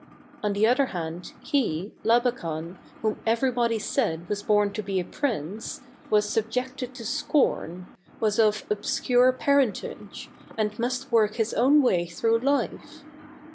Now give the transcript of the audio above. On the other hand he, Laba kan, whom everybody said was born to be a prince, was subjected to scorn, was of obscure par entage, and must work his own way through life.